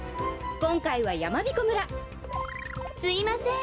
こんかいはやまびこ村すいません。